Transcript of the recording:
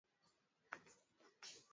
Bya ku kata tena ma mpango abikalakeko